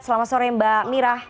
selamat sore mbak mirah